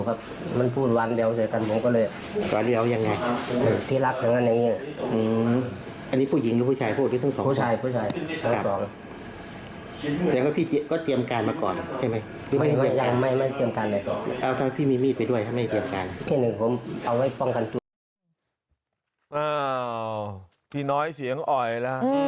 อ้าวพี่น้อยเสียงออยล่ะ